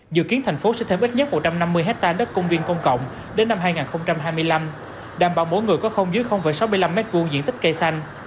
dự kiến thành phố sẽ thấy ít nhất một trăm năm mươi hectare đất công viên công cộng đến năm hai nghìn hai mươi năm đảm bảo mỗi người có không dưới sáu mươi năm m hai diện tích cây xanh